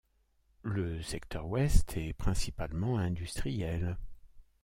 Le secteur ouest est principalement industriel.